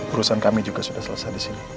urusan kami juga sudah selesai disini